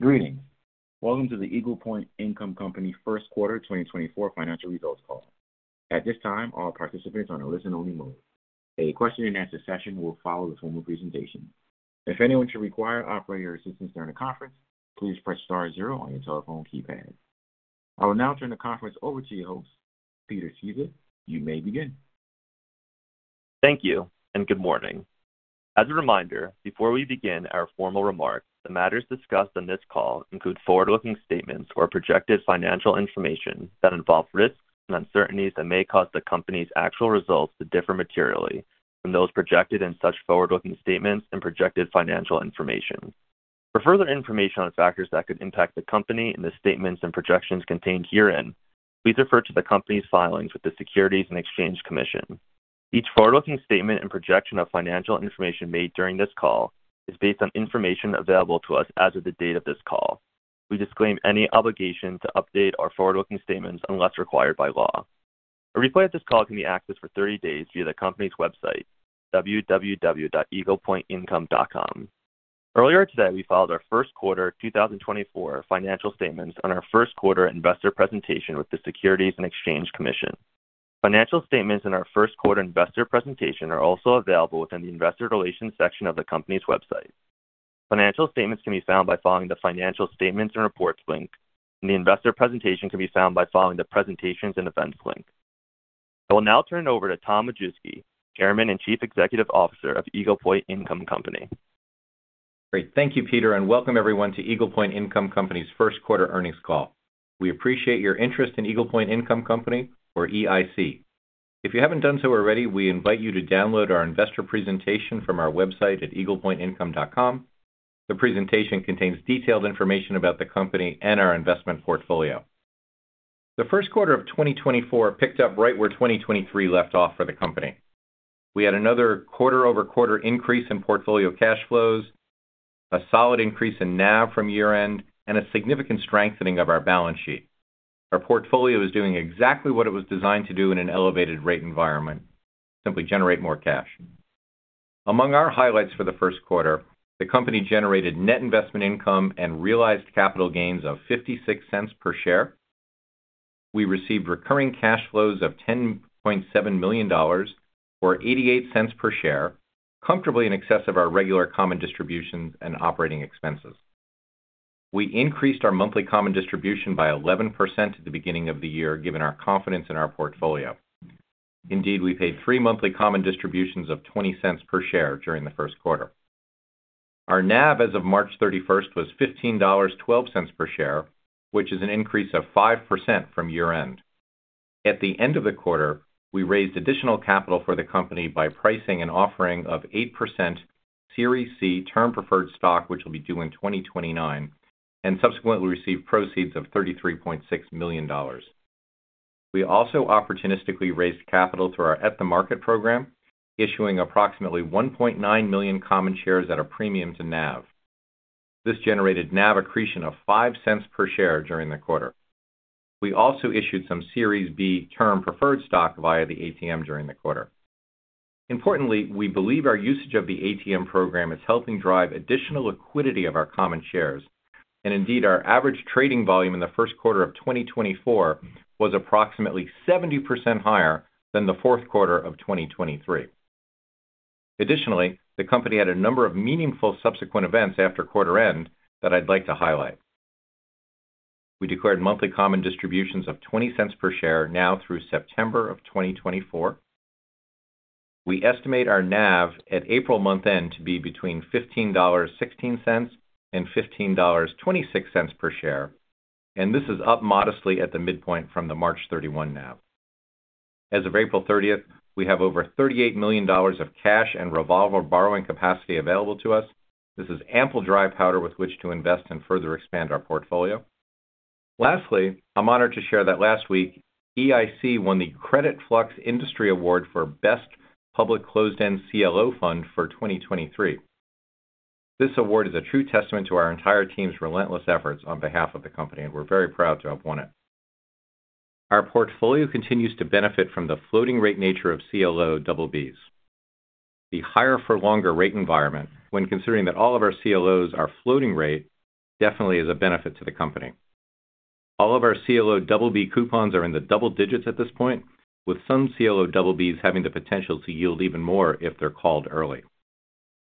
Greetings! Welcome to the Eagle Point Income Company first quarter 2024 financial results call. At this time, all participants are on a listen-only mode. A question-and-answer session will follow the formal presentation. If anyone should require operator assistance during the conference, please press star zero on your telephone keypad. I will now turn the conference over to your host, Peter Sceusa. You may begin. Thank you, and good morning. As a reminder, before we begin our formal remarks, the matters discussed on this call include forward-looking statements or projected financial information that involve risks and uncertainties that may cause the company's actual results to differ materially from those projected in such forward-looking statements and projected financial information. For further information on factors that could impact the company and the statements and projections contained herein, please refer to the company's filings with the Securities and Exchange Commission. Each forward-looking statement and projection of financial information made during this call is based on information available to us as of the date of this call. We disclaim any obligation to update our forward-looking statements unless required by law. A replay of this call can be accessed for 30 days via the company's website, www.eaglepointincome.com. Earlier today, we filed our first quarter 2024 financial statements on our first quarter investor presentation with the Securities and Exchange Commission. Financial statements in our first quarter investor presentation are also available within the investor relations section of the company's website. Financial statements can be found by following the Financial Statements and Reports link, and the investor presentation can be found by following the Presentations and Events link. I will now turn it over to Tom Majewski, Chairman and Chief Executive Officer of Eagle Point Income Company. Great. Thank you, Peter, and welcome everyone to Eagle Point Income Company's first quarter earnings call. We appreciate your interest in Eagle Point Income Company or EIC. If you haven't done so already, we invite you to download our investor presentation from our website at eaglepointincome.com. The presentation contains detailed information about the company and our investment portfolio. The first quarter of 2024 picked up right where 2023 left off for the company. We had another quarter-over-quarter increase in portfolio cash flows, a solid increase in NAV from year-end, and a significant strengthening of our balance sheet. Our portfolio is doing exactly what it was designed to do in an elevated rate environment, simply generate more cash. Among our highlights for the first quarter, the company generated net investment income and realized capital gains of $0.56 per share. We received recurring cash flows of $10.7 million, or $0.88 per share, comfortably in excess of our regular common distributions and operating expenses. We increased our monthly common distribution by 11% at the beginning of the year, given our confidence in our portfolio. Indeed, we paid three monthly common distributions of $0.20 per share during the first quarter. Our NAV as of March 31 was $15.12 per share, which is an increase of 5% from year-end. At the end of the quarter, we raised additional capital for the company by pricing an offering of 8% Series C Term preferred stock, which will be due in 2029, and subsequently received proceeds of $33.6 million. We also opportunistically raised capital through our at-the-market program, issuing approximately 1.9 million common shares at a premium to NAV. This generated NAV accretion of $0.05 per share during the quarter. We also issued some Series B Term Preferred Stock via the ATM during the quarter. Importantly, we believe our usage of the ATM program is helping drive additional liquidity of our common shares, and indeed, our average trading volume in the first quarter of 2024 was approximately 70% higher than the fourth quarter of 2023. Additionally, the company had a number of meaningful subsequent events after quarter end that I'd like to highlight. We declared monthly common distributions of $0.20 per share now through September of 2024. We estimate our NAV at April month-end to be between $15.16 and $15.26 per share, and this is up modestly at the midpoint from the March 31 NAV. As of April 30, we have over $38 million of cash and revolver borrowing capacity available to us. This is ample dry powder with which to invest and further expand our portfolio. Lastly, I'm honored to share that last week, EIC won the Creditflux Industry Award for Best Public Closed-End CLO Fund for 2023. This award is a true testament to our entire team's relentless efforts on behalf of the company, and we're very proud to have won it. Our portfolio continues to benefit from the floating rate nature of CLO BBs. The higher-for-longer rate environment, when considering that all of our CLOs are floating rate, definitely is a benefit to the company. All of our CLO BB coupons are in the double digits at this point, with some CLO BBs having the potential to yield even more if they're called early.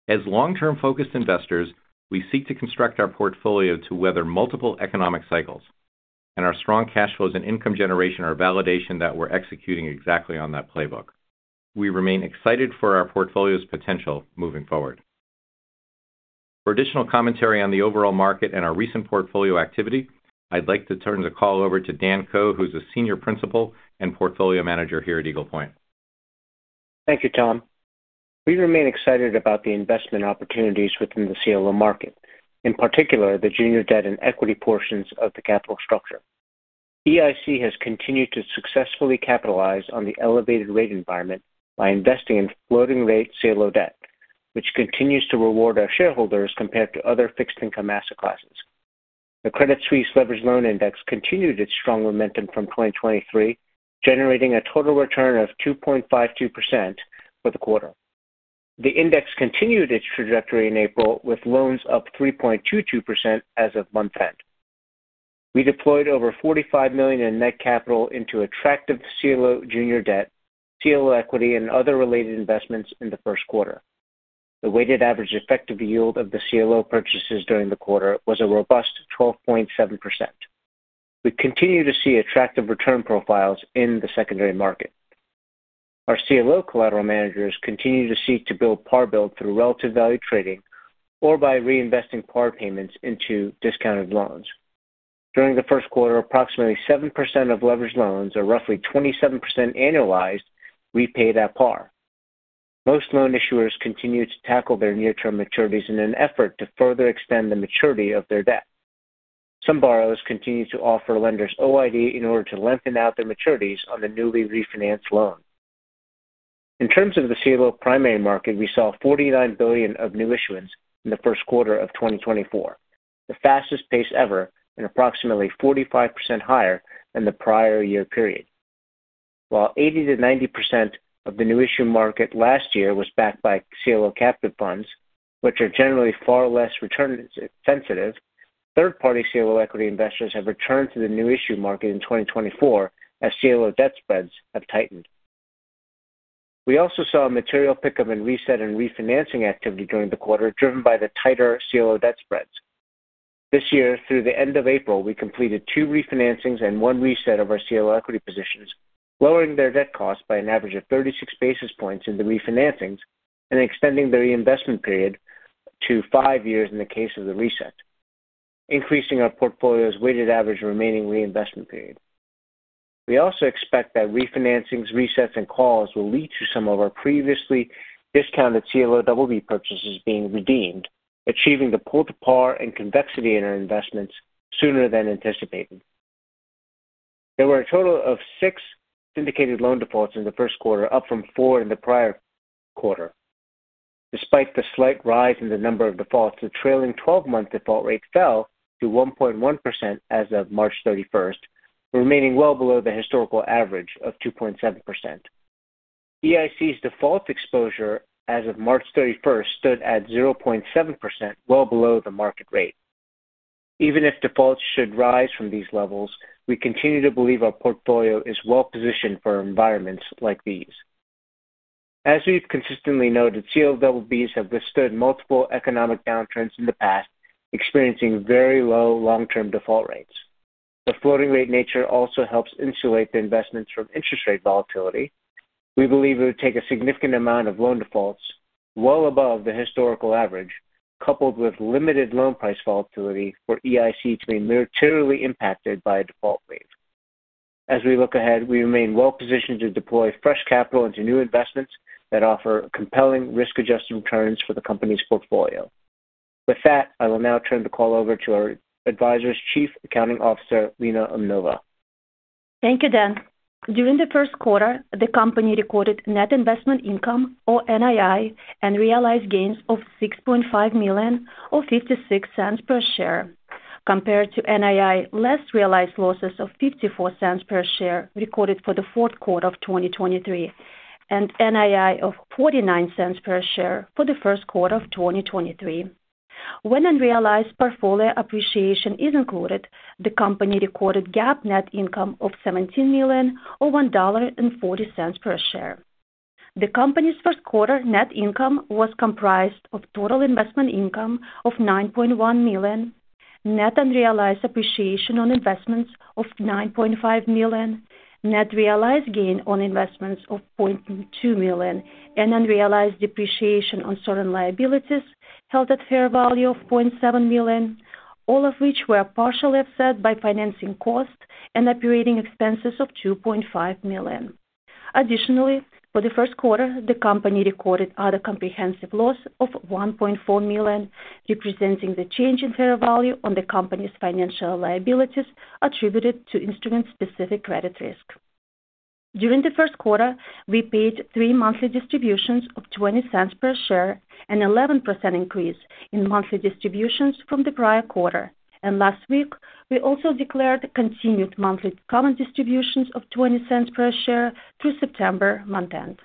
As long-term-focused investors, we seek to construct our portfolio to weather multiple economic cycles, and our strong cash flows and income generation are validation that we're executing exactly on that playbook. We remain excited for our portfolio's potential moving forward. For additional commentary on the overall market and our recent portfolio activity, I'd like to turn the call over to Dan Ko, who's a senior principal and portfolio manager here at Eagle Point. Thank you, Tom. We remain excited about the investment opportunities within the CLO market, in particular, the junior debt and equity portions of the capital structure. EIC has continued to successfully capitalize on the elevated rate environment by investing in floating-rate CLO debt, which continues to reward our shareholders compared to other fixed-income asset classes. The Credit Suisse Leveraged Loan Index continued its strong momentum from 2023, generating a total return of 2.52% for the quarter. The index continued its trajectory in April, with loans up 3.22% as of month-end. We deployed over $45 million in net capital into attractive CLO junior debt, CLO equity, and other related investments in the first quarter. The weighted average effective yield of the CLO purchases during the quarter was a robust 12.7%. We continue to see attractive return profiles in the secondary market. Our CLO collateral managers continue to seek to build par through relative value trading or by reinvesting par payments into discounted loans. During the first quarter, approximately 7% of leveraged loans, or roughly 27% annualized, repaid at par. Most loan issuers continued to tackle their near-term maturities in an effort to further extend the maturity of their debt. Some borrowers continued to offer lenders OID in order to lengthen out their maturities on the newly refinanced loan. In terms of the CLO primary market, we saw $49 billion of new issuance in the first quarter of 2024, the fastest pace ever, and approximately 45% higher than the prior year period. While 80%-90% of the new issue market last year was backed by CLO captive funds, which are generally far less return sensitive, third-party CLO equity investors have returned to the new issue market in 2024 as CLO debt spreads have tightened. We also saw a material pickup in reset and refinancing activity during the quarter, driven by the tighter CLO debt spreads. This year, through the end of April, we completed 2 refinancings and 1 reset of our CLO equity positions, lowering their debt costs by an average of 36 basis points in the refinancings and extending the reinvestment period to 5 years in the case of the reset, increasing our portfolio's weighted average remaining reinvestment period. We also expect that refinancings, resets, and calls will lead to some of our previously discounted CLO double B purchases being redeemed, achieving the pull to par and convexity in our investments sooner than anticipated. There were a total of 6 syndicated loan defaults in the first quarter, up from 4 in the prior quarter. Despite the slight rise in the number of defaults, the trailing twelve-month default rate fell to 1.1% as of March 31, remaining well below the historical average of 2.7%. EIC's default exposure as of March 31 stood at 0.7%, well below the market rate. Even if defaults should rise from these levels, we continue to believe our portfolio is well positioned for environments like these. As we've consistently noted, CLO double Bs have withstood multiple economic downturns in the past, experiencing very low long-term default rates. The floating rate nature also helps insulate the investments from interest rate volatility. We believe it would take a significant amount of loan defaults, well above the historical average, coupled with limited loan price volatility for EIC to be materially impacted by a default wave. As we look ahead, we remain well positioned to deploy fresh capital into new investments that offer compelling risk-adjusted returns for the company's portfolio. With that, I will now turn the call over to our advisor's Chief Accounting Officer, Lena Umnova. Thank you, Dan. During the first quarter, the company recorded net investment income, or NII, and realized gains of $6.5 million, or $0.56 per share, compared to NII less realized losses of $0.54 per share recorded for the fourth quarter of 2023, and NII of $0.49 per share for the first quarter of 2023. When unrealized portfolio appreciation is included, the company recorded GAAP net income of $17 million, or $1.40 per share. The company's first quarter net income was comprised of total investment income of $9.1 million, net unrealized appreciation on investments of $9.5 million, net realized gain on investments of $0.2 million, and unrealized depreciation on certain liabilities held at fair value of $0.7 million, all of which were partially offset by financing costs and operating expenses of $2.5 million. Additionally, for the first quarter, the company recorded other comprehensive loss of $1.4 million, representing the change in fair value on the company's financial liabilities attributed to instrument-specific credit risk. During the first quarter, we paid 3 monthly distributions of $0.20 per share, an 11% increase in monthly distributions from the prior quarter. Last week, we also declared continued monthly common distributions of $0.20 per share through September month-end.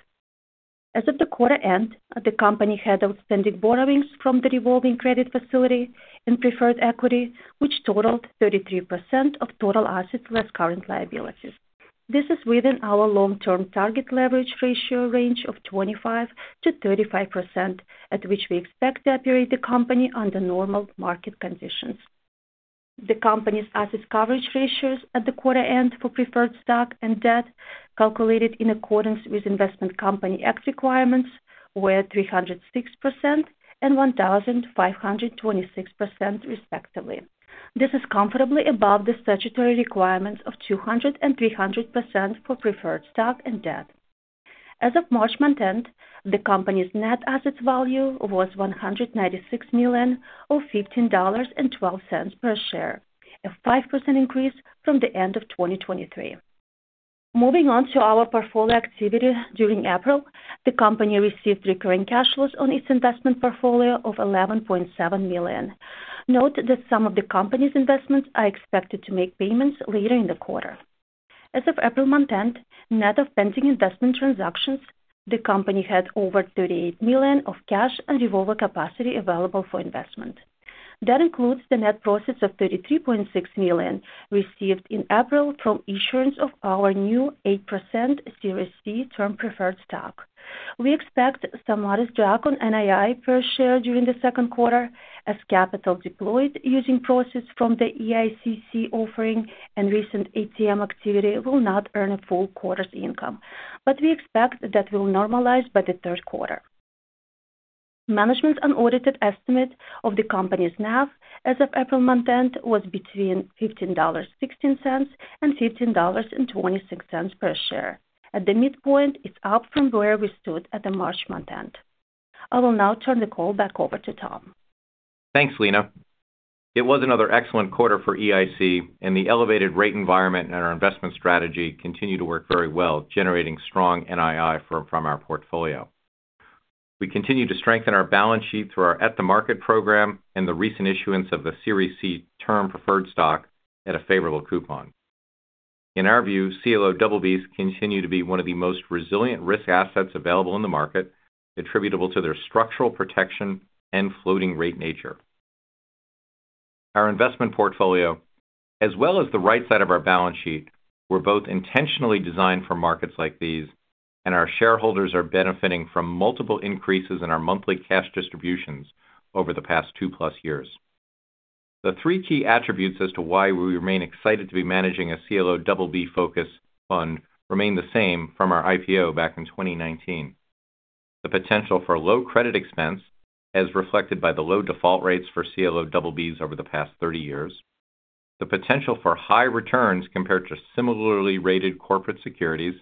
As of the quarter end, the company had outstanding borrowings from the revolving credit facility and preferred equity, which totaled 33% of total assets, less current liabilities. This is within our long-term target leverage ratio range of 25%-35%, at which we expect to operate the company under normal market conditions. The company's asset coverage ratios at the quarter end for preferred stock and debt, calculated in accordance with Investment Company Act requirements, were 306% and 1,526%, respectively. This is comfortably above the statutory requirements of 200% and 300% for preferred stock and debt. As of March month-end, the company's net asset value was $196 million, or $15.12 per share, a 5% increase from the end of 2023.... Moving on to our portfolio activity during April, the company received recurring cash flows on its investment portfolio of $11.7 million. Note that some of the company's investments are expected to make payments later in the quarter. As of April month-end, net of pending investment transactions, the company had over $38 million of cash and revolver capacity available for investment. That includes the net proceeds of $33.6 million received in April from issuance of our new 8% Series C Term Preferred Stock. We expect some modest drop on NII per share during the second quarter, as capital deployed using proceeds from the EICC offering and recent ATM activity will not earn a full quarter's income, but we expect that will normalize by the third quarter. Management's unaudited estimate of the company's NAV as of April month-end was between $15.16 and $15.26 per share. At the midpoint, it's up from where we stood at the March month-end. I will now turn the call back over to Tom. Thanks, Lena. It was another excellent quarter for EIC, and the elevated rate environment and our investment strategy continue to work very well, generating strong NII from our portfolio. We continue to strengthen our balance sheet through our At-the-Market program and the recent issuance of the Series C Term Preferred Stock at a favorable coupon. In our view, CLO BBs continue to be one of the most resilient risk assets available in the market, attributable to their structural protection and floating rate nature. Our investment portfolio, as well as the right side of our balance sheet, were both intentionally designed for markets like these, and our shareholders are benefiting from multiple increases in our monthly cash distributions over the past 2+ years. The three key attributes as to why we remain excited to be managing a CLO BB focus fund remain the same from our IPO back in 2019. The potential for low credit expense, as reflected by the low default rates for CLO BBs over the past 30 years, the potential for high returns compared to similarly rated corporate securities,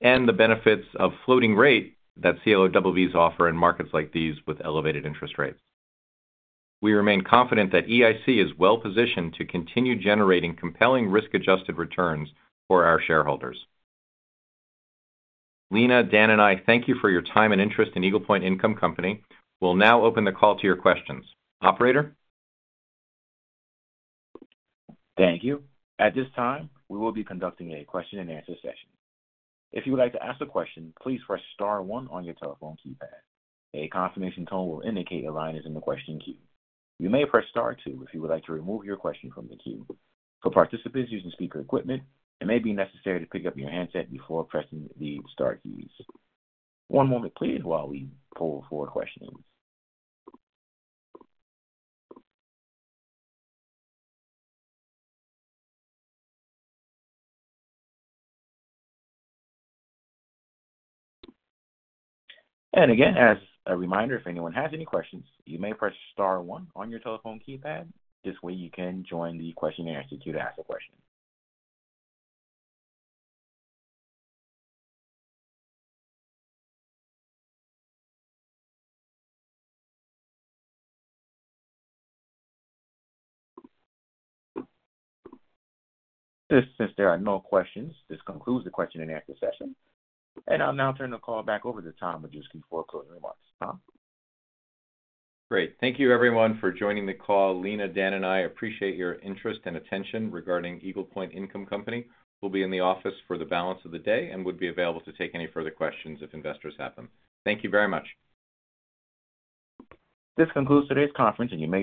and the benefits of floating rate that CLO BBs offer in markets like these with elevated interest rates. We remain confident that EIC is well positioned to continue generating compelling risk-adjusted returns for our shareholders. Lena, Dan, and I thank you for your time and interest in Eagle Point Income Company. We'll now open the call to your questions. Operator? Thank you. At this time, we will be conducting a question-and-answer session. If you would like to ask a question, please press star one on your telephone keypad. A confirmation tone will indicate your line is in the question queue. You may press star two if you would like to remove your question from the queue. For participants using speaker equipment, it may be necessary to pick up your handset before pressing the star keys. One moment, please, while we pull for questions. Again, as a reminder, if anyone has any questions, you may press star one on your telephone keypad. This way you can join the question-and-answer queue to ask a question. Since there are no questions, this concludes the question-and-answer session, and I'll now turn the call back over to Tom Majewski for closing remarks. Tom? Great. Thank you, everyone, for joining the call. Lena, Dan, and I appreciate your interest and attention regarding Eagle Point Income Company. We'll be in the office for the balance of the day and would be available to take any further questions if investors have them. Thank you very much. This concludes today's conference, and you may-